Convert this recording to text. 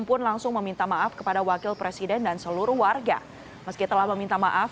pun langsung meminta maaf kepada wakil presiden dan seluruh warga meski telah meminta maaf